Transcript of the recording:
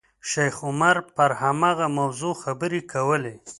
شیخ عمر پر هماغه موضوع خبرې کولې.